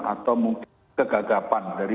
atau mungkin kegagapan dari